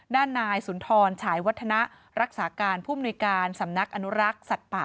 ด้านนายสุนทรฉายวัฒนะรักษาการผู้มนุยการสำนักอนุรักษ์สัตว์ป่า